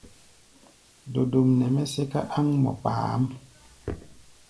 Dodom nɛ mɛ́ sɛ́ká ɗáŋmɔ kpaáʼm.